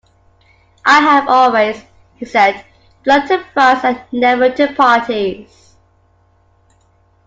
"I have always", he said, "belonged to France and never to parties.